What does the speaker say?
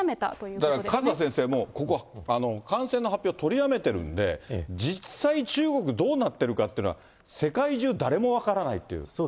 だから勝田先生、ここは感染の発表取りやめてるんで、実際、中国どうなっているかというのは、世界中、誰も分からないっていう。